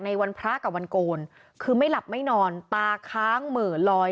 วันพระกับวันโกนคือไม่หลับไม่นอนตาค้างเหม่อลอย